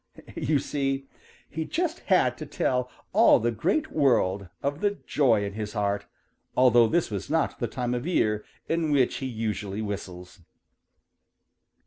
You see, he just had to tell all the Great World of the joy in his heart, although this was not the time of year in which he usually whistles.